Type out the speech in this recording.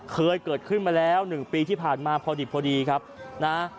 เคยเกิดขึ้นมาแล้ว๑ปีที่ผ่านมาพอดิบพอดีครับนะ